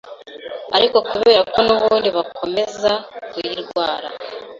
ariko kubera ko n'ubundi bakomeza kuyirwara